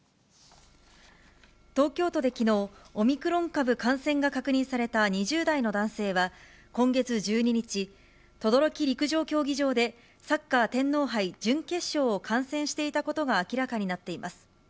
東京都できのう、オミクロン株感染が確認された２０代の男性は、今月１２日、等々力陸上競技場で、サッカー天皇杯準決勝を観戦していたことが明らかになっています。